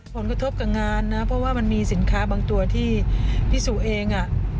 ผลกระทบกับงานนะเพราะว่ามันมีสินค้าบางตัวที่พี่สุเอง